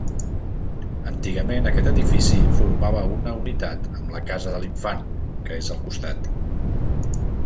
Antigament aquest edifici formava una unitat amb la Casa de l'Infant, que és al costat.